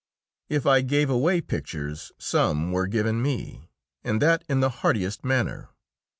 If I gave away pictures, some were given me, and that in the heartiest manner.